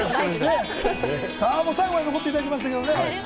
最後まで残っていただきました。